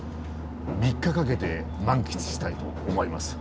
３日かけて満喫したいと思います。